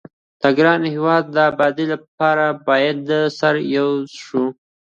د ګران هيواد دي ابادي لپاره بايد سره يو شو